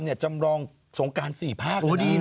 จะจำลองสงการ๔ภาค